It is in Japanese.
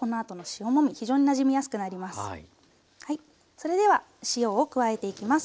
それでは塩を加えていきます。